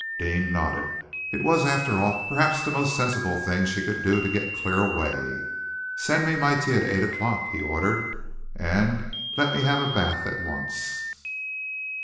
Deane nodded. It was, after all, perhaps the most sensible thing she could do to get clear away! "Send me my tea at eight o'clock," he ordered, "and let me have a bath at once."